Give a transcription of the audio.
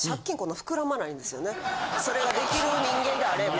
それが出来る人間であれば。